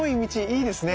いいですね。